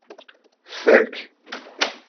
Tfak.